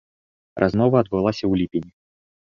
Размова адбылася ў ліпені.